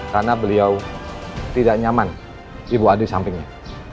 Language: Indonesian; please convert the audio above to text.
karena beliau tidak nyaman ibu ada di sampingnya